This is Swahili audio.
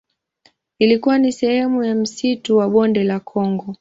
Ilikuwa ni sehemu ya msitu wa Bonde la Kongo.